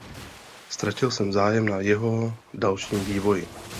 Ztratil jsem zájem na jeho dalším vývoji.